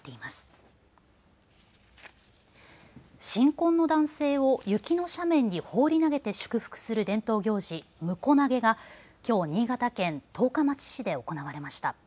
新婚の男性を雪の斜面に放り投げて祝福する伝統行事、むこ投げがきょう新潟県十日町市で行われました。